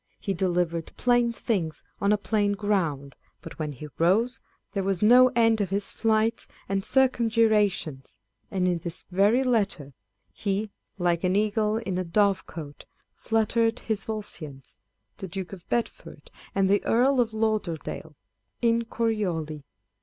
He delivered plain things on a plain ground ; but when he rose, there was no end of his flights and circumgyrations â€" and in this very Letter, " he, like an eagle in a dove cot, fluttered his Volscians " (the Duke of Bedford and the Earl of Lauderdalei) "in Corioli."